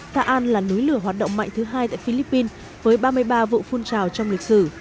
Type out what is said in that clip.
ta an là núi lửa hoạt động mạnh thứ hai tại philippines với ba mươi ba vụ phun trào trong lịch sử